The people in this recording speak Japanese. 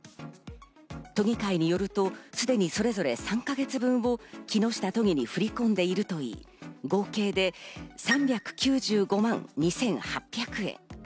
都議会によると、すでにそれぞれ３か月分を木下都議に振り込んでいると言い、合計で３９５万２８００円。